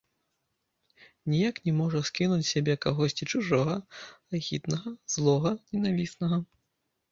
Ніяк не можа скінуць з сябе кагосьці чужога, агіднага, злога, ненавіснага.